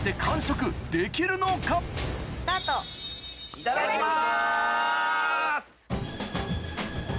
いただきます！